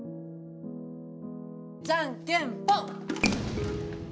じゃんけんぽん！